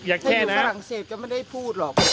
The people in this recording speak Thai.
แค่นะฝรั่งเศสก็ไม่ได้พูดหรอก